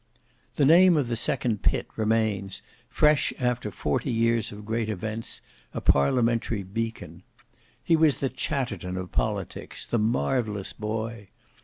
The name of the second Pitt remains, fresh after forty years of great events, a parliamentary beacon. He was the Chatterton of politics; the "marvellous boy."